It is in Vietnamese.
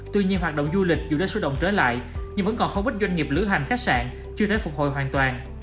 tuy nhiên hoạt động du lịch dù đã xuất động trở lại nhưng vẫn còn không ít doanh nghiệp lữ hành khách sạn chưa thể phục hồi hoàn toàn